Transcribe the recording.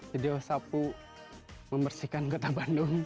video sapu membersihkan kota bandung